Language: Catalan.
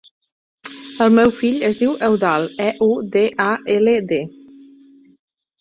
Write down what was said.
El meu fill es diu Eudald: e, u, de, a, ela, de.